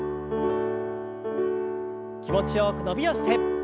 気持ちよく伸びをして。